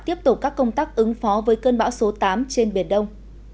tiếp tục các công tác ứng phó với cơn bão số tám trên biển đông